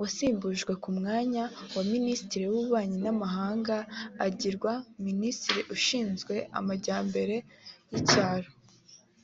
wasimbujwe ku mwanya wa Ministiri w’ububanyi n’amahanga agirwa Ministiri ushinzwe amajyambere y’icyaro